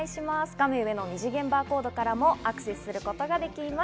画面上の二次元バーコードからもアクセスすることができます。